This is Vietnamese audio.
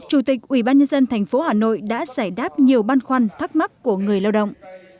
chủ tịch ubnd tp hà nội đã giải đáp nhiều băn khoăn thắc mắc của người lao động